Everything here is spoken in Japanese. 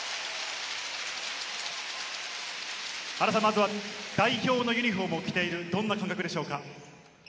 原さん、まずは代表のユニホームを着ている、どんな感覚でしょうか？